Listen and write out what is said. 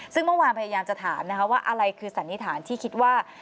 ซึ่งเมื่อวานพยายามจะถามนะคะว่าอะไรคือสันนิษฐานที่คิดว่า